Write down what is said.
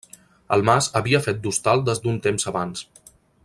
El mas havia fet d'hostal des d'un temps abans.